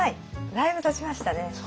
だいぶたちましたね。